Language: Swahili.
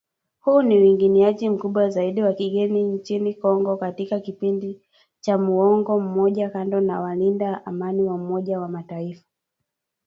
Huu ni uingiliaji mkubwa zaidi wa kigeni nchini Kongo katika kipindi cha muongo mmoja kando na walinda Amani wa Umoja wa mataifa